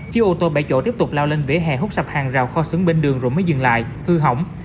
chiếc ô tô bảy chỗ tiếp tục lao lên vỉa hè hút sập hàng rào kho sướng bên đường rồi mới dừng lại hư hỏng